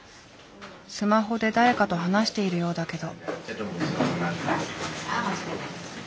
スマホで誰かと話しているようだけど。